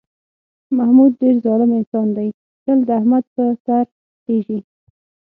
محمود ډېر ظالم انسان دی، تل د احمد په سر خېژي.